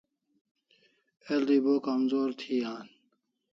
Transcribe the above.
El'i bo kamzor thi an